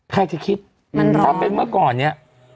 ใครจะคิดถ้าเป็นเมื่อก่อนเนี่ย